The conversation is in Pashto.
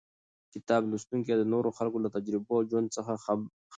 کتاب لوستونکی د نورو خلکو له تجربو او ژوند څخه خبروي.